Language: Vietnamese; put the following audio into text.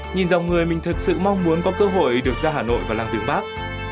nhìn dòng người mình thật sự mong muốn có cơ hội được ra hà nội vào lăng viếng bắc